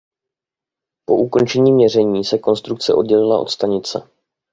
Po ukončení měření se konstrukce oddělila od stanice.